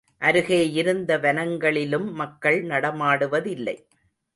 அருகேயிருந்த வனங்களிலும் மக்கள் நடமாடுவதில்லை.